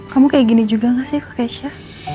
kamu kayak gini juga gak sih kak keisha